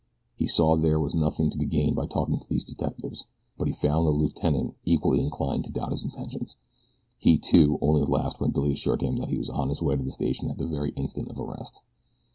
He saw there was nothing to be gained by talking to these detectives; but he found the lieutenant equally inclined to doubt his intentions. He, too, only laughed when Billy assured him that he was on his way to the station at the very instant of arrest.